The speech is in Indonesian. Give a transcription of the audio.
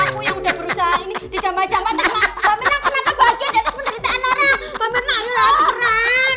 aku yang udah berusaha ini dicambat cambat sama pamer nak kenapa baju di atas menderitaan orang pamer nak lu lahat peran